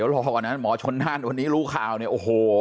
วันนี้ลูข่าวโอ้โห